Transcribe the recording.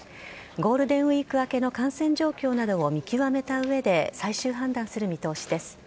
ゴールデンウイーク明けの感染状況などを見極めた上で最終判断する見通しです。